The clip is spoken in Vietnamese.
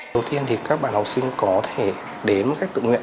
đầu tiên thì các bạn học sinh có thể đến cách tự nguyện